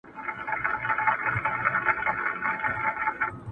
تر هغو پوري د ځان وې چي یو یو وې,